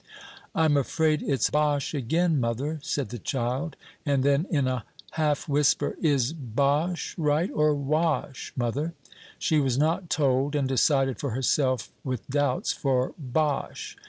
"I'm afraid it's bosh again, mother," said the child; and then, in a half whisper, "Is bosh right, or wash, mother?" She was not told, and decided for herself, with doubts, for bosh.